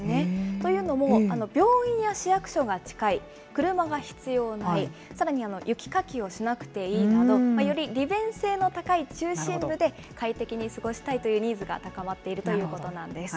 というのも、病院や市役所が近い、車が必要ない、さらに雪かきをしなくていいなど、より利便性の高い中心部で、快適に過ごしたいというニーズが高まっているということなんです。